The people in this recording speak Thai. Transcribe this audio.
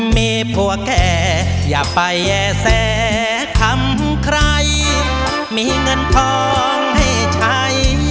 มีผัวแค่อย่าไปแย่แสทำใครมีเงินทองให้ใช้